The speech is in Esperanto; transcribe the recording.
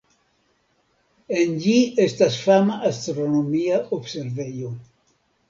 En ĝi estas fama astronomia observejo.